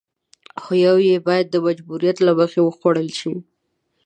خو يوه يې بايد د مجبوريت له مخې وخوړل شي.